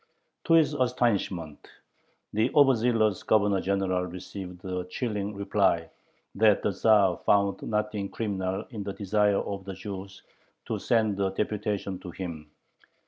To his astonishment, the overzealous Governor General received the chilling reply, that the Tzar found nothing criminal in the desire of the Jews to send a deputation to him.